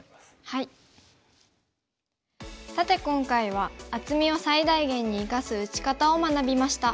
さて今回は厚みを最大限に生かす打ち方を学びました。